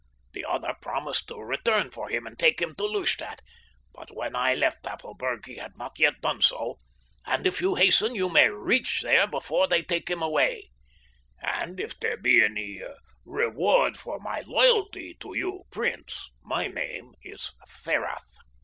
The other promised to return for him and take him to Lustadt, but when I left Tafelberg he had not yet done so, and if you hasten you may reach there before they take him away, and if there be any reward for my loyalty to you, prince, my name is Ferrath."